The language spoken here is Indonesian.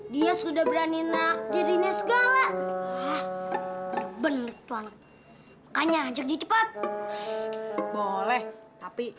dia sudah berani ngeraktirin segala bener bener kayaknya jadi cepet boleh tapi